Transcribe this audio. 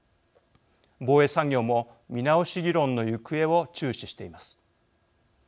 防衛産業も見直し議論の行方を注視しています。